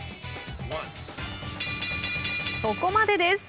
そこまでです。